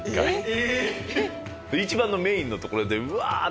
一番のメインのところでうわーっ！